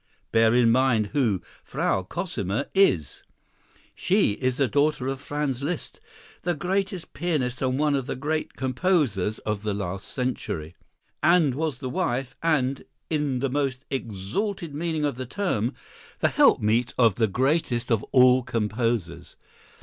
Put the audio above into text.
Bear in mind who "Frau Cosima" is. She is the daughter of Franz Liszt, the greatest pianist and one of the great composers of the last century, and was the wife and, in the most exalted meaning of the term, the helpmeet of the greatest of all composers!